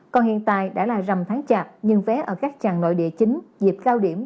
còn hiện tại đã là rầm tháng chạp nhưng vé ở các trạng nội địa chính dịp cao điểm